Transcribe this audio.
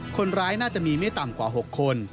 คนร้ายน่าจะมีไม่ต่ำกว่า๖คน